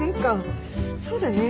そうだね。